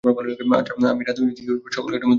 আচ্ছা, আমি রাতে ইউরোপে সকল কাস্টমারদের কল করি।